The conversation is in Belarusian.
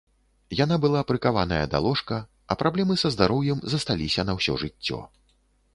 Яна была прыкаваная да ложка, а праблемы са здароўем засталіся на ўсё жыццё.